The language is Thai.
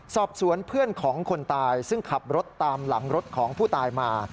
สอบสวนเพื่อนของคนตายซึ่งขับรถตามหลังรถของผู้ตายมา